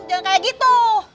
jangan kayak gitu